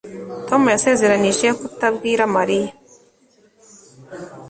Tom yasezeranije kutabwira Mariya